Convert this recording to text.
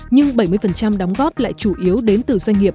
nhưng bảy mươi đóng góp lại chủ yếu đến từ doanh nghiệp